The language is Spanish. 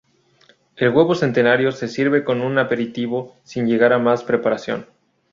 El huevo centenario se sirve como un aperitivo sin llegar a más preparación.